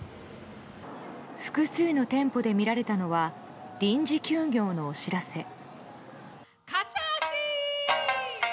複数の店舗で見られたのは臨時休業のお知らせ。